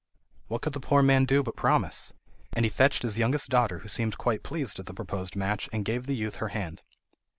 What could the poor man do but promise? And he fetched his youngest daughter, who seemed quite pleased at the proposed match, and gave the youth her hand.